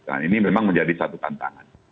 nah ini memang menjadi satu tantangan